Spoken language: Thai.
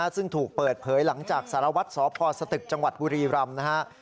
ซึ่งถูกเปิดเผยหลังจากสารวัตรสพสตึกจังหวัดบุรีรำนะครับ